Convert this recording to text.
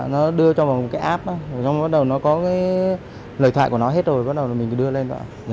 nó đưa cho vào một cái app nó có lời thoại của nó hết rồi bắt đầu mình đưa lên